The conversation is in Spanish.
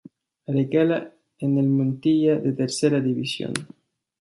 Recala en el Montilla, de Tercera División.